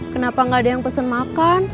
kenapa nggak ada yang pesen makan